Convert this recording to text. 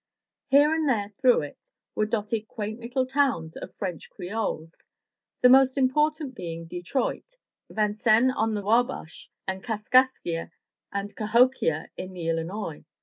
Here and there through it were dotted quaint little towns of French Creoles, the most important being Detroit, Vincennes on the Wabash, and Kaskaskia and Kahokia on the Illinois.